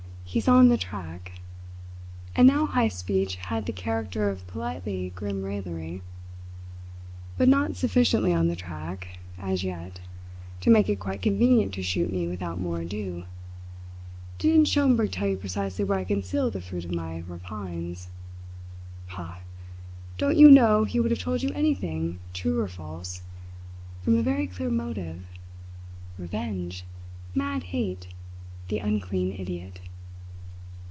He's on the track " and now Heyst's speech had the character of politely grim raillery "but not sufficiently on the track, as yet, to make it quite convenient to shoot me without more ado. Didn't Schomberg tell you precisely where I conceal the fruit of my rapines? Pah! Don't you know he would have told you anything, true or false, from a very clear motive? Revenge! Mad hate the unclean idiot!"